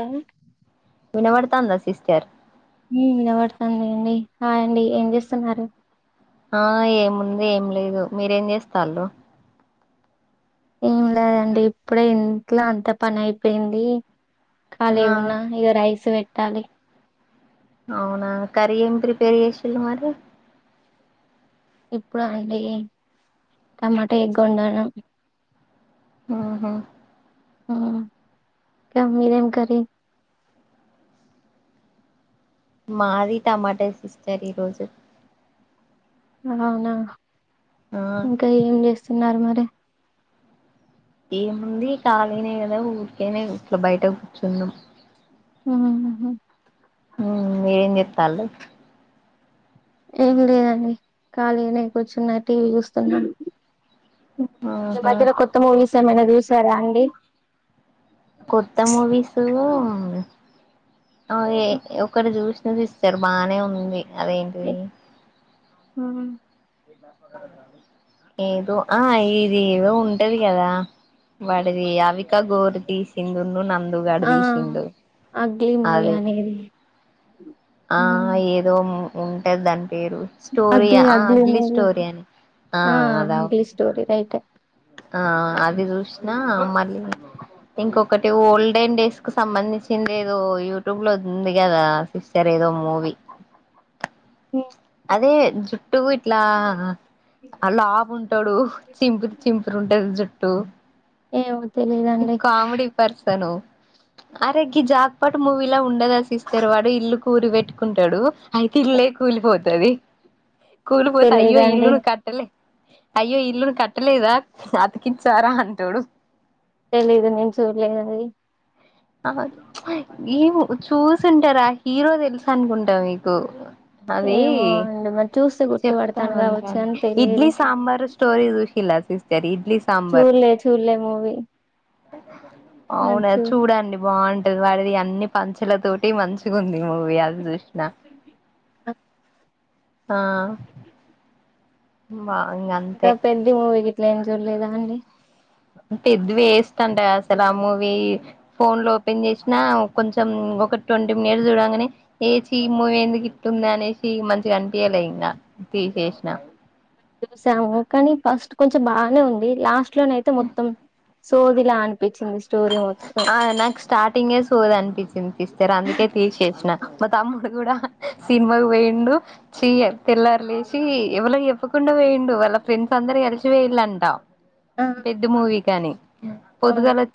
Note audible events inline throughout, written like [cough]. Hello వినబడతాందా sister మ్ వినబడతాంది అండి హాయ్ అండి ఏం చేస్తున్నారు ఆ ఏముంది ఏం లేదు మీరేం చేస్తళ్ళు ఏం లేదండి ఇప్పుడే ఇంట్లో అంత పని అయిపోయింది ఆ ఖాళీగున్నా ఇగ రైస్ పెట్టాలి అవునా కర్రీ ఏం ప్రిపేర్ చేసిళు మరి ఇప్పుడ అండి టమాటా ఎగ్ వండాను మ్ హు మ్ క మీదేం కర్రీ మాది టమాటా సిస్టర్ ఈరోజు అవునా ఆ ఇంకా ఏం చేస్తున్నారు మరి ఏముంది ఖాళీనే కదా ఊర్కేనే ఇట్లా బయట కూర్చున్నాం మ్ హు మ్ మీరేం చేత్తాళ్ళు ఏం లేదండి ఖాళీనే కూర్చున్నా టీవీ చుస్తున్నా ఈ ఆహా మధ్యలో కొత్త మూవీస్ ఏమైనా చూసారా అండి కొత్త మూవీసు ఆ ఎ ఒకటి చూస్ అది చరు బానే ఉంది అదేంటిది మ్ హు ఏదో ఆ ఇది ఏదో ఉంటది కదా వాడిది అవికాగోర్ తీసింది ఉందున దు గాడు ఆ దీసిండు అగ్లీ మూవీ అది అనేది ఆ ఏదో ఉంటే దాని పేరు స్టోరీ అగ్లీ ఆ అగ్లీ మూవీ స్టోరీ అని ఆ అంకిల్ అదవుదు స్టోరీ రైటే ఆ అది చూసినా మళ్ళీ ఇంకొకటి ఓల్డెన్ డేస్కు సంబంధించింది ఏదో యూట్యూబ్లో ఉంది కదా సిస్టర్ ఏదో మూవి అదే జు ట్టు ఇట్లా లావు ఉంటడు చింపురు చింపురు ఉంటది జు ఏమో హలో తెలీదండి కామెడీ పర్సన్ అరే గీ జాట్ పాటు మూవీలా ఉండ సిస్టర్ వాడు ఇల్లు కు ఊరి పెట్టుకుంటాడు అయితే ఇల్లే కోల్పోద్ది కూలిపోతది అయ్యో తెలీదండి ఇల్లు కట్టలే అయ్యో ఇల్లును కట్టలేదా అతికించారా అంటాడు తెలీదు నేను చూడలేదు అది ఆ ఏ చూసుంటారా హీరో తెలుసు అనుకుంటా మీకు అది ఏమో అండి మరి చూస్తే చెప్తా గుర్తుపడతాను కావచ్చు కాని ఉంటందీ తెలియదు ఇడ్లీ సాంబార్ స్టోరీ చూసిలా ఇడ్లీ సాంబార్ చూడలే చూడలే మూవీ అది అవునా చూ చూడండి బాగుంటది వాడిది అన్ని పంచుల తోటి మంచిగా ఉంది మూవీ ఇవాళ చూసిన ఆ బా ఇంగ అంతే ఇంకా పెద్ద మూవీకి ఇట్లా ఏం చూడలేదా అండి పెద్ది వేస్ట్ అంట అసలు ఆ మూవీ ఫోన్ లో ఓపెన్ చేసినా కొంచెం ఒక ట్వంటీ మినిట్స్ చూడంగానే ఏచీ ఈ మూవీ ఎందుకు ఇట్టుంది అనేసి మంచిగా కనిపియలే ఇంకా తీసేసిన చూసాము కానీ ఫస్ట్ కొంచెం బాగానే ఉంది లాస్ట్ లోన అయితే మొత్తం సోదిలా అనిపించింది స్టోరీ మొత్తం ఆ నాకు స్టార్టింగే సోది అనిపించింది సిస్టర్ అందుకే తీసేసిన మా తమ్ముడు కూడా సినిమాకు పోయిండు చ్ తెల్లారు లేచి ఎవరికి చెప్పకుండా పోయిండు వాళ్ళ ఫ్రెండ్స్ అందరు కలిసి పోయిందంట ఆ పెద్ద మూవీ కాని అవును పొద్దుగాల నుంచి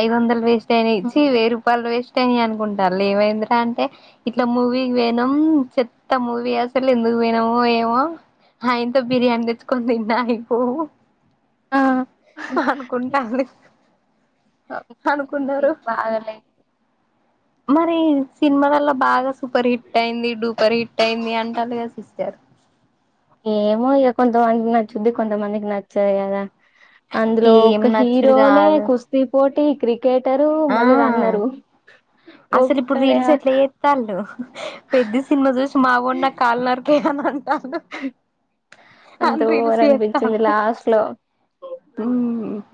ఐదు వందలు వేస్ట్ అయినా చీ వేయి రూపాయలు వేస్ట్ అయినయి అనుకుంటారు ఏమైందరా అంటే ఇట్లా మూవీ పోయినం చెత్త మూవీ అసలు ఎందుకు ఎందుకు పోయినమో ఏమో ఆ ఇంత బిర్యానీ తెచ్చుకొని తిన్నా అయిపోవు ఆ అనుకుంటాళ్ళు పాప మూవీ బాగాలే మరి సినిమాలలో బాగా సూపర్ హిట్ అయింది డూపర్ హిట్ అయింది అంటారు కద సిస్టర్ ఏమో ఇగ కొంతమందికి నచ్చుంది కొంతమందికి నచ్చదు కదా అందులో ఏం ఒక నచ్చుడు హీరోనే కాదు కుస్తీ పోటి క్రికెటర్ ఆ మళ్ళీ రన్నరు అసలు ఇప్పుడు ఒక్కడే రీల్స్ ఎట్లా చేస్తారు పెద్ద సినిమా చూసి మావోడు నా కాలు నరుకు చెయ్యమంటారు అంత ఓవర్ అనిపించింది లాస్ట్ లో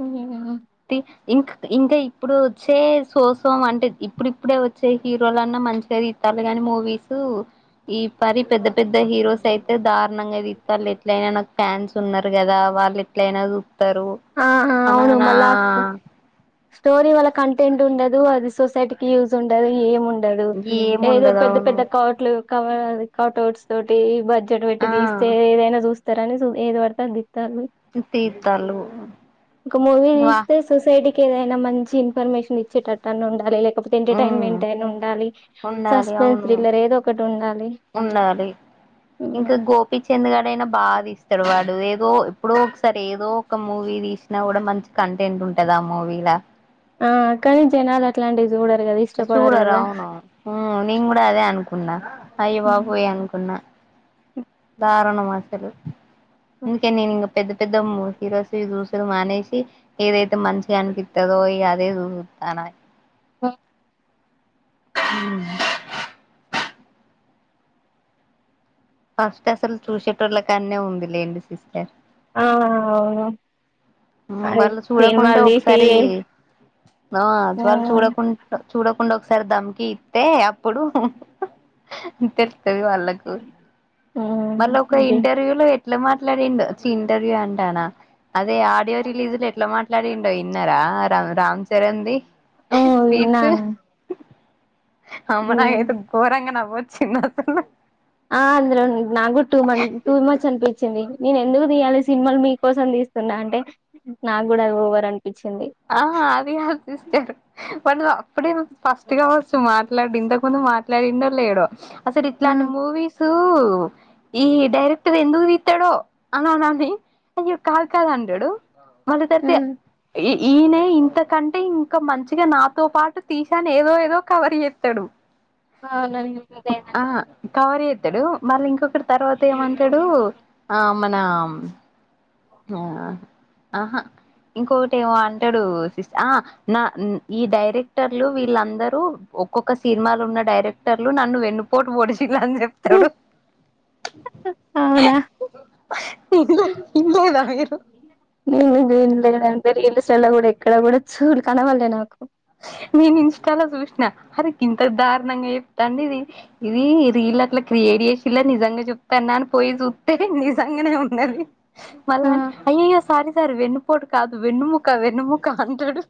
ఉ ఇం ఇకే ఇప్పుడు వచ్చే సోసం అంటే ఇప్పుడిప్పుడే వచ్చే హీరోలన్నా మంచిగా ఇతరు గాని మూవీస్ ఈ పరి పెద్ద పెద్ద హీరోస్ అయితే దారుణంగా తీస్తారు ఎట్లయినా నాకు ఫ్యాన్స్ ఉన్నారు కదా వాళ్ళు ఎట్లయినా చూస్తారని ఆహ అవును మళ్ళ స్టోరీ వాళ్ళ కంటెంట్ ఉండదు అది సొసైటీకి యూజ్ ఉండదు ఏం ఉండదు ఏదో ఏముండదు పెద్ద అవును పెద్ద కోట్లు కటౌట్లు తోటి బడ్జెట్ పెట్టి ఆ తీస్తే ఏదైనా చూ చూస్తారని ఏది పడితే అది తీస్తారు అంతే ఒక మూవీ తీస్తే సొసైటీకి ఏదైనా మంచి ఇన్ఫర్మేషన్ ఇచ్చేటట్టు అన్న ఉండాలి మ్మ్ ఎంటర్టైన్మెంట్ అయినా ఉండాలి ఉండాలి సస్పెన్స్ అవును థ్రిల్లర్ ఏదొ ఒకటి ఉండాలి ఉండాలి ఇంకా గోపీచంద్గాడయినా బాగాది ఇస్తాడు వాడు ఏదో ఇప్పుడో ఒకసారి ఏదో ఒక మూవీ తీసిన కూడా మంచి కంటెంట్ ఉంటది ఆ మూవీలా ఆ కానీ జనాలు అట్లాంటిది చూడరూ చూడరు ఆవును ఉమ్ నేను కూడా అదే అనుకున్న ఐబాబోయ్ అనుకున్న దారుణం అసలు ఇందుకే నేను ఇంకా పెద్ద పెద్ద హీరోస్ చూ మానేసి ఏదైతే మంచిగా అనిపితదో ఈ అదే చూరుతన మ్మ్ అ ఫస్ట్ అసలు చూసేట వాళ్ళ కన్నే ఉంది లేండి సిస్టర్ ఆ అవును వాళ్ళు చూడకుండా సినిమాలు తీసి ఒకసారి ఆ వాళ్ళ చూడకు చూడకుండా ఒకసారి దమ్కి ఇస్తే అప్పుడు ఉంటది వాళ్ళకు మళ్ళ ఒక ఇంటర్వ్యూ లో ఇట్లా మాట్లాడిండు చ్చి ఇంటర్వ్యూ అంటానా అదే ఆడియో రిలీజ్ లో ఎట్లా మాట్లాడిండో విన్నారా రా రామ్ చరణ్ ది స్పీచ్ విన్నాను ఆమ్మో ఉమ్. నాకైతే కోరంగా నవ్ వచ్చింది అస్సలు ఆ అందులో నాకు టూ మ టూ మచ్ అనిపించింది నేను ఎందుకు తీయాలి సినిమాలు మీకోసం తీస్తున్నా అంటే నాకు కూడా ఓవర్ అనిపించింది ఆ అది కాదు సిస్టర్ పడుద అప్పుడే ఫస్ట్ కావచ్చు మాట్లాడుడు ఇంతకు ముందు మాట్లాడిండో లేడో అసలు ఇట్లాంటి ఉమ్, మూవీస్ ఈ డైరెక్టర్ ఎందుకు తెస్తాడో అన్న నీ అ కాదు కాదు అండడు మళ్ళ తతే ఉమ్. ఈయనే ఇంతకంటే ఇంకా మంచిగా నాతో పాటు తీసాను ఏదో ఏదో కవర్ చేస్తాడు అవునందేనండి కవర్ జెస్తాడు మళ్ళీ ఇంకొకటి తర్వాత ఏమంటాడు ఆ మన ఆ ఆహా ఇంకొకటి ఏమో అంటాడు సిస్ నా ఈ డైరెక్టర్లు వీళ్ళందరూ ఒక్కొక్క సినిమాలు ఉన్న డైరెక్టర్లు నన్ను వెన్నుపోటు ఓడి చెప్తాడూ అవునా నె నుదే లేదంటే రీల్స్ లలో కూడా ఎక్కడ కూడా చూడు కనబల్లె నాకు నేను ఇంస్టాలో చూసిన అరే గింత దారుణంగా చెప్తాండి ఇది ఇది రీల్ అట్ల క్రి ఎడిష్ చేశిల్లా నిజంగాచెప్ తెన్నాన్ పోయి చూత్తే నిజంగానే ఉన్నది మళ్ల ఆ అయ్యోయో సరి సారి వెన్నుపోడు కాదు వెన్నుముక్క వెన్నుముక అంటాడు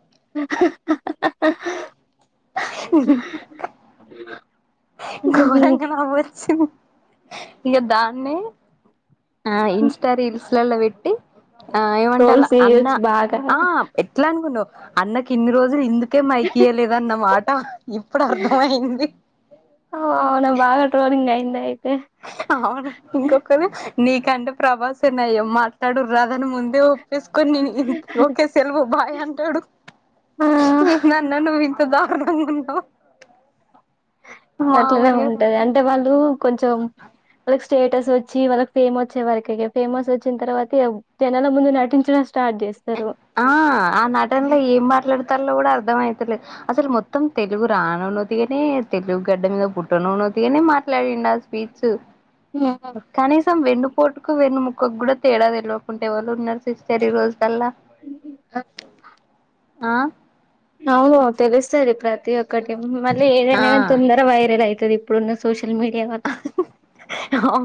గోరంగా నవ్వు వచ్చింది ఇగ దాన్నే ఆ ఇన్స్టా రీల్స్లలా పెట్టి ఆ ఏమంటలా ట్రోల్స్ అన్న చేయొచ్చు బాగా ఆ ఎట్లా అనుకున్నవ్ అన్నకి ఇన్ని రోజులు ఇందుకే మైకి ఇయలేదన్న మాట ఇప్పుడు అర్థమయింది ఆ ఓ అవునా బాగా ట్రోలింగ్ అయింద అవును ఇంకొకలు నీకంటే ప్రభాసె నయం మాట్లాడురాదని ముందే ఒ ప్పేసుకొని నేన్ ఓకే సెలవు బాయ్ అంటాడు ఆ మిందన్న నువ్వు ఇంత దారుణంగా ఉన్నావ్ అట్లానే ఉంటది అంటే వాళ్ళు కొంచెం రేస్ స్టేటస్ వచ్చి వాళ్ళకి ఫేమ్ వచ్చే వరకే ఇగ ఫేమస్ వచ్చిన తర్వాత జనాల ముందు నటించడం స్టార్ట్ చేస్తారు ఆ ఆ నటనలో ఏం మాట్లాడతల్లో కూడా అర్థమయి అసలు మొత్తం తెలుగు రానోనోతినే తెలుగు గడ్డ మీద పుట్టనన్నోతిగానే మాట్లాడిన్ ఉందా స్పీచ్చు ఉ అబావ్ వెన్ను పోటుకు వెన్ను ముకకు కూడ తేడా తెల్వకుంటే ఎవలున్నారు సిస్టర్ ఈ రోజు టెల్లా ఆ అవును తెలుస్తది ప్రతి ఒక్కటి మళ్ళీ ఆ ఏదైనా గాని తొందర వైరల్ అయితది. ఇప్పుడున్నా సోషి అహహు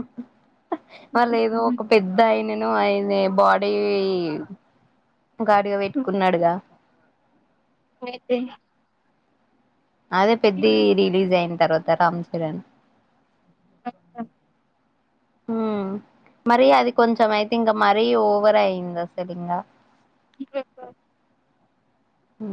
ఆ లేదు ఒక పెద్ద ఆయని నో ఆయిన్ని బాడీ గార్డ్గా పెట్టుకున్నాడుగా లేత్తే అదే పెద్ది రిలీజ్ అయిన తర్వాత రామ్ చరణ్ ఉ మరి అది కొంచెం అయితే ఇంకా మరీ ఓవర్ అయ్యందది అసలు ఇంగా. ఇ [unintelligible] ఉ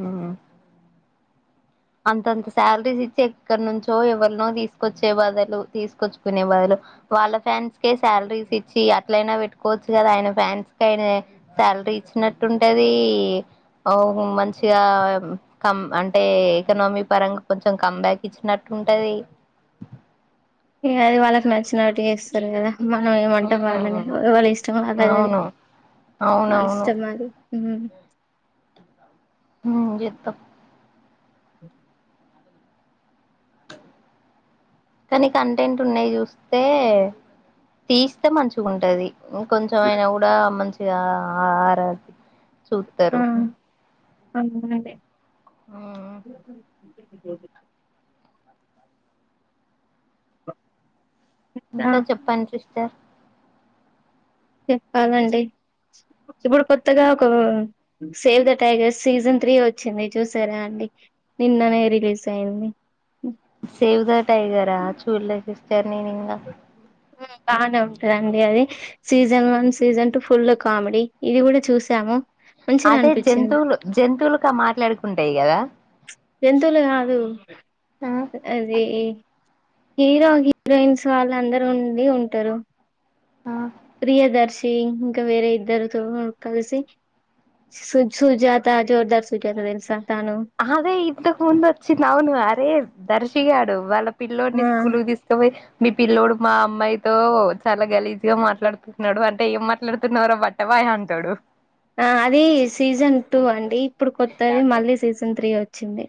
అంతంత శాలరీస్ ఇచ్చి ఎక్కడ నుంచో ఎవరినో తీసుకొచ్చే బదులు తీసుకొచ్చుకునే బదులు వాళ్ళ ఫ్యాన్స్కే శాలరీస్ ఇచ్చి అట్లయినా పెట్టుకోవచ్చు కదా ఆయన ఫ్యాన్స్ కైనా శాల్ ఇచ్చినట్టుంటది అవ్ హో మంచిగా కమ్ అంటే ఎకనామీ పరంగా కొంచెం కమ్ బ్యాక్ ఇచ్చినట్టు ఉంటాది. ఇంగ అది వాళ్ళకి నచ్చినట్టు చేస్తారు కదా మనమేమ్ అంటాం వాళ్ళని వాళ్ళి ఇష్టం వాళ్ళది. అవును వాళ్ళ అవునవును ఇష్టం అది ఉ ఉమ్ చెత్తాం ఉహు కానీ కంటెంట్ ఉన్నావి చూస్తే తీస్తే మంచిగ ఉంటాది. కొంచెం అయినా కూడా మంచిగా ఆరా చూత్తరు. అవును అదే ఉ [unintelligible] ఆ ఇంకా చెప్పండి సిస్టర్ చెప్పాలాండి ఇప్పుడు కొత్తగా ఒక save the tigers season three వచ్చింది చూసారా. నిన్ననే రిలీజ్ అయింది సేవ్ ద టైగరా చూల్లే సిస్టర్ నేను ఇంగా ఉ బానే ఉంటుందండి అది season one season two full comedy ఇది కూడా చూసాము. మంచిగా అదే అనిపించింది జంతువులు జంతువులుక మాట్లాడుకుంటాయి కదా. జంతువులు కాదు అదే హీరో హీరోయిన్స్ వాళ్ళందరూ ఉండి ఉంటారు ఆ ప్రియదర్శి ఇంకా వేరే ఇద్దరితో కలిసి [unintelligible] సుజాత జోర్దార్ సిటీ అంటే తెల్సా అదే ఇంతకు ముందు వచ్చింది అవును అరే దర్శిగాడు వాళ్ళ పిల్లోని ఆ స్కూల్ కి తీసుకో పొయ్ మీ పిల్లోడు మా అమ్మాయితో చాల గలీజ్గా మాట్లాడుతున్నాడు అంటే ఏం మాట్లాడుతున్నావ్ర బట్టే ఎ అంటాడు ఆ అది సీజన్ టూ అండి ఇప్పుడు కొత్తది మళ్ళీ సీజన్ త్రీ వచ్చింది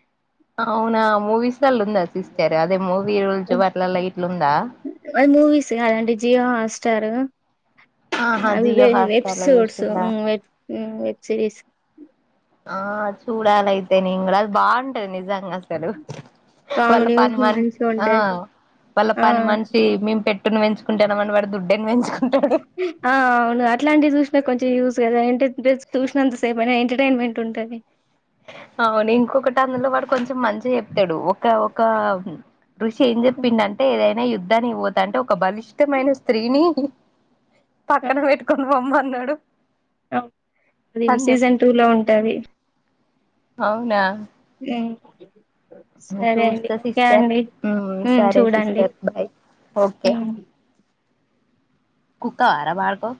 అవునా మూవీస్ లలో ఉందా సిస్టర్ అదే మూవీ రోజు అట్లలా ఇట్లుందా అది మూవిస్ కాదండీ జీయో హస్టర్ ఆహా నాలుగు జియో ఐదు హాట్స్టార్లో ఎపిసోడ్స్ చూసిండా వెబ్ సీరీస్ ఆ చూడాలయితే నేను కూడ అ బాగుంటది నిజంగా అసలు వాళ్ళ కామెడీ పని మనిషి మంచిగా ఉంటాయి వాళ్ళ ఆ పని మనిషి మేం పె ట్టి పెంచుకుంటాంమం వాడు దుడ్డిని పెంచు ఆ అవును అట్లాంటివి చూసిన కొంచెం యూజ్ కదా ఏ చూసినంత సేపు [unintelligible] ఎంటర్ టైన్మెంట్ ఉంటది అవును ఇంకొకటి అందులో వాడు కొంచెం మంచిగ చెప్తాడు ఒక ఒక ఋషి ఏం చెప్పిండు అంటే ఏదైనా యుద్ధానికి పోతా అంటే ఒక బలిష్టమైన స్త్రీని పక్కన పెట్టుకొని పొమ్మన్నాడు అది అని సీజన్ టూ చెప్తాడు లో ఉంటది అవునా [unintelligible] సరే అండి చూస్త ఓకే సిస్టర్ అండి ఉమ్ సరే చూడండి సిస్టర్ బాయ్ ఓకే ఉమ్ కుక్క అరవకు